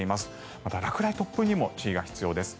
また落雷、突風にも注意が必要です。